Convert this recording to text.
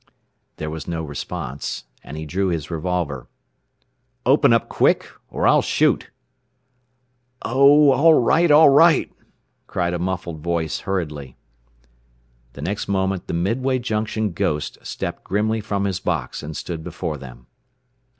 There was no response, and he drew his revolver. "Open up quick, or I'll shoot!" "Oh, all right! All right!" cried a muffled voice hurriedly. The next moment the Midway Junction "ghost" stepped grimly from his box, and stood before them.